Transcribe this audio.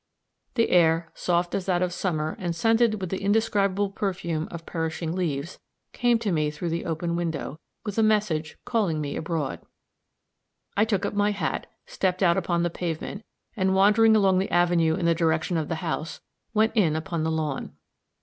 The air, soft as that of summer and scented with the indescribable perfume of perishing leaves, came to me through the open window, with a message calling me abroad; I took up my hat, stepped out upon the pavement, and wandering along the avenue in the direction of the house, went in upon the lawn.